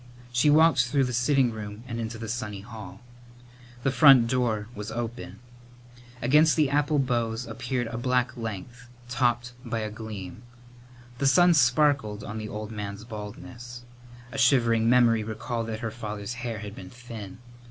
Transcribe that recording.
She walked through the sitting room and into the sunny hall. The front door was open. Against the apple boughs appeared a black length, topped by a gleam. The sun sparkled on the old man's baldness. A shivering memory recalled that her father's hair had been thin.